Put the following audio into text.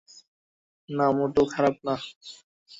না, মোটেও খারাপ না।